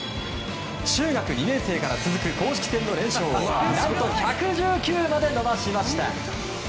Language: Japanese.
中学２年生から続く公式戦の連勝を何と、１１９まで伸ばしました。